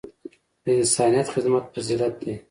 د انسانیت خدمت فضیلت دی.